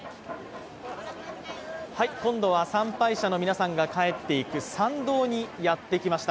今度は参拝者の皆さんが帰っていく参道にやってきました。